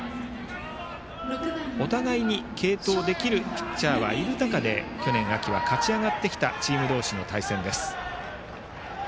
お互いに継投できるピッチャーもいる中去年秋は勝ち上がってきたチーム同士の対戦です。